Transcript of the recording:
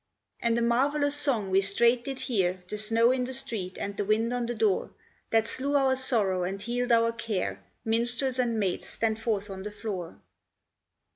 "And a marvellous song we straight did hear, The snow in the street, and the wind on the door. That slew our sorrow and healed our care." Minstrels and maids, stand forth on the floor.